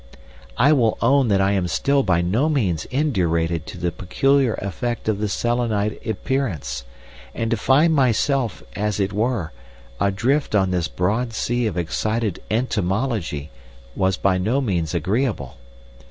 "I will own that I am still by no means indurated to the peculiar effect of the Selenite appearance, and to find myself, as it were, adrift on this broad sea of excited entomology was by no means agreeable.